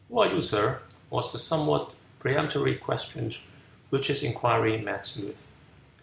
"Who are you, sir?" was the somewhat peremptory question which his inquiry met with.